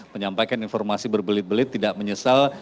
menyampaikan informasi berbelit belit tidak menyesal